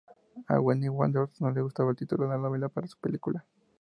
A Wim Wenders no le gustaba el título de la novela para su película.